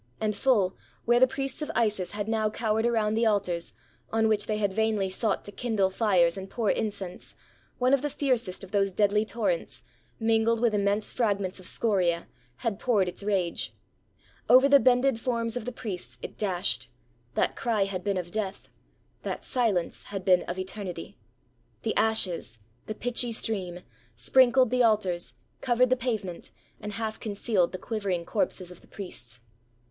And full, where the priests of Isis had now cowered around the altars, on which they had vainly sought to kindle fires and 442 THE DESTRUCTION OF POMPEII pour incense, one of the fiercest of those deadly torrents, mingled with immense fragments of scoria, had poured its rage. Over the bended forms of the priests it dashed; that cry had been of death — that silence had been of eternity! The ashes — the pitchy stream — sprinkled the altars, covered the pavement, and half concealed the quivering corpses of the priests!